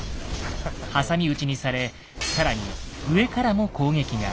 挟み撃ちにされ更に上からも攻撃が。